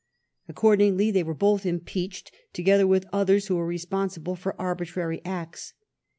Accord ingly they were both impeached, together with others who were responsible for arbitrary acts.